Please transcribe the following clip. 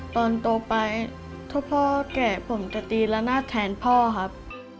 ตอนโตไปถ้าพ่อแก่ผมจะตีละนาดแทนพ่อครับ